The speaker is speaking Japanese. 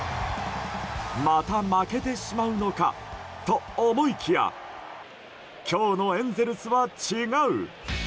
また負けてしまうのかと思いきや今日のエンゼルスは、違う！